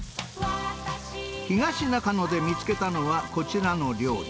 東中野で見つけたのはこちらの料理。